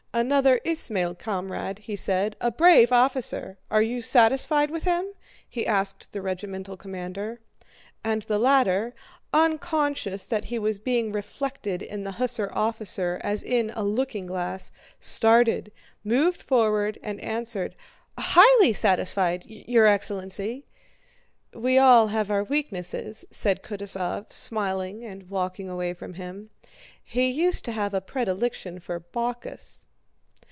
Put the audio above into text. "Another Ismail comrade," said he. "A brave officer! Are you satisfied with him?" he asked the regimental commander. And the latter—unconscious that he was being reflected in the hussar officer as in a looking glass—started, moved forward, and answered: "Highly satisfied, your excellency!" "We all have our weaknesses," said Kutúzov smiling and walking away from him. "He used to have a predilection for Bacchus."